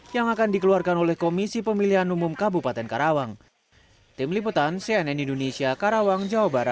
yang akan dikeluarkan oleh komisi pemilihan umum kabupaten karawang